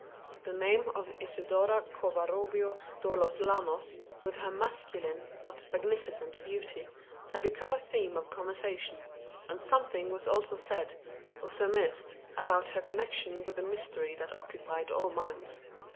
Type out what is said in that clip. The name of Isidora Covarubio do los Llanos with her masculine, but magnificent, beauty had become a theme of conversation, and something was also said, or surmised, about her connection with the mystery that occupied all minds.